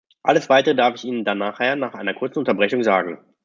Alles Weitere darf ich Ihnen dann nachher nach einer kurzen Unterbrechung sagen.